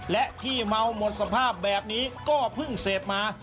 และที่เมาหมดสภาพแบบนี้ก็เพิ่งเสพมา